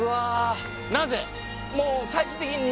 なぜ？